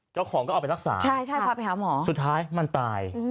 เจ้าของก็เอาไปรักษาสุดท้ายมันตาย